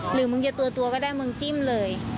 หรือมึงจะตัวก็ได้มึงจิ้มเลย